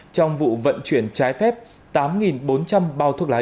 trong vụ vận chuyển trái phép tám bốn trăm linh bao thuốc lá